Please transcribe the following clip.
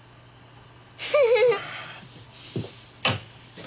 フフフ。